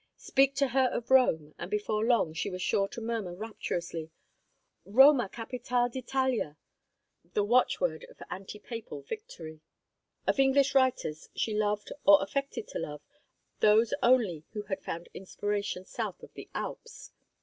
Speak to her of Rome, and before long she was sure to murmur rapturously, "Roma capitale d'Italia!" the watch word of antipapal victory. Of English writers she loved, or affected to love, those only who had found inspiration south of the Alps.